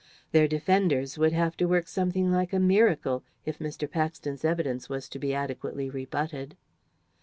Their defenders would have to work something like a miracle if Mr. Paxton's evidence was to be adequately rebutted.